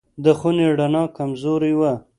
د خونې رڼا کمزورې وه.